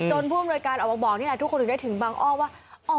จนพูดมโรยการออกมาบอกทุกคนได้ถึงบางออกว่า